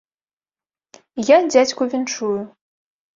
І я дзядзьку віншую.